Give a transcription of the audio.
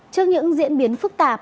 trước những diễn biến phức tạp